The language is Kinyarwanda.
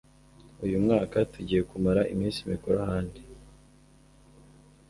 Uyu mwaka tugiye kumara iminsi mikuru ahandi